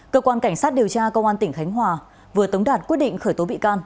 cơ quan cảnh sát điều tra công an tỉnh khánh hòa vừa tống đạt quyết định khởi tố bị can